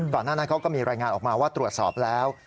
หน้านั้นเขาก็มีรายงานออกมาว่าตรวจสอบแล้ว